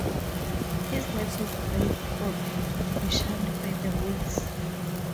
His nets would break or be shunned by the whales.